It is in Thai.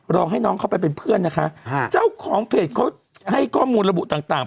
รอให้น้องเขาไปเป็นเพื่อนนะคะเจ้าของเพจเขาให้ข้อมูลระบุต่าง